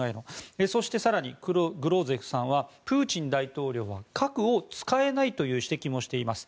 そして更にグローゼフさんはプーチン大統領は核を使えないという指摘もしています。